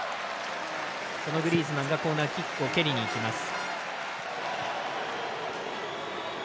そのグリーズマンがコーナーキックを蹴りにいきます。